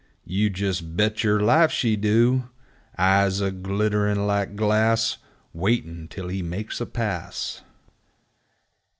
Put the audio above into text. You jes' bet yer life she do ! Eyes a glittern' like glass, Waitin' till he makes a pass!